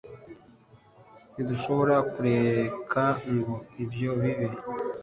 Ntidushobora kureka ngo ibyo bibe.